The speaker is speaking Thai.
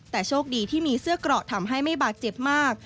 แต่โชคดีที่มีเสื้อเกราะทำให้ไม่บาดเจ็บมาก